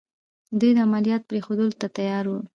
دوی د عملیاتو پرېښودلو ته تیار وو.